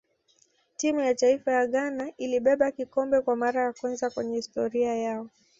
timu ya taifa ya ghana ilibeba kikombe kwa mara ya kwanza kwenye historia yao